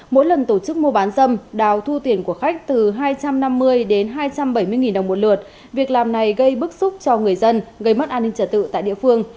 mỗi lần tổ chức mua bán dâm đào thu tiền của khách từ hai trăm năm mươi đến hai trăm bảy mươi đồng một lượt việc làm này gây bức xúc cho người dân gây mất an ninh trả tự tại địa phương